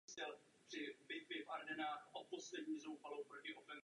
Příkladem může být délka strany čtverce a jeho obsah.